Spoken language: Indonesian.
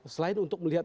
selain untuk melihat